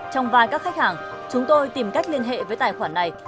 trong vai các khách hàng chúng tôi tìm cách liên hệ với tài khoản này